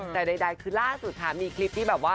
แต่ใดคือล่าสุดค่ะมีคลิปที่แบบว่า